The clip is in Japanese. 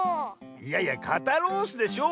いやいや「かたロース」でしょ